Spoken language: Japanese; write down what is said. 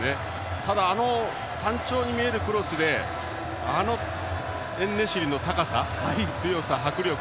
ただ、単調に見えるクロスであのエンネシリの高さ、強さ、迫力。